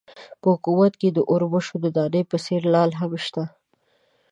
په حکومت کې د اوربشو د دانې په څېر لعل هم شته.